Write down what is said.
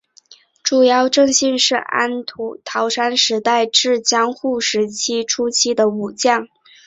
竹腰正信是安土桃山时代至江户时代初期的武将。